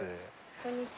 こんにちは。